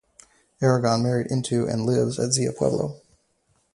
Aragon married into and lives at Zia Pueblo.